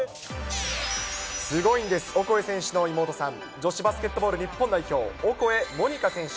すごいんです、オコエ選手の妹さん、女子バスケットボール日本代表、オコエ桃仁花選手。